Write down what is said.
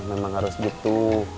memang harus gitu